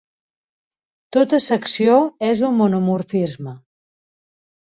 Tota secció és un monomorfisme.